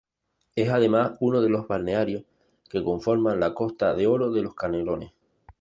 Es además uno de los balnearios que conforman la Costa de Oro de Canelones.